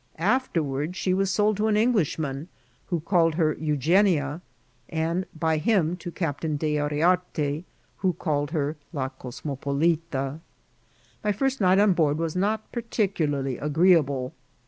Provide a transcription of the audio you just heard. Afterward she was •old to an Enj^ishman, who called her Eugenia ; and by him to Ciqptain D'Yriarte, who called her La Cos mopdita. • My finrt night on board was not particularly agreea ble.